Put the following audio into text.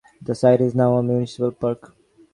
The site is now a municipal park.